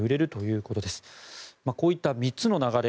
こういった３つの流れ